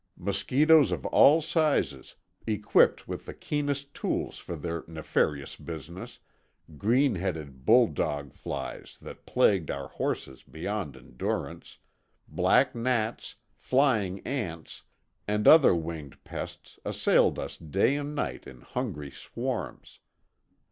Mosquitoes of all sizes, equipped with the keenest tools for their nefarious business, green headed bulldog flies that plagued our horses beyond endurance, black gnats, flying ants, and other winged pests assailed us day and night in hungry swarms.